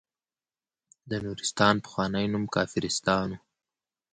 د نورستان پخوانی نوم کافرستان و.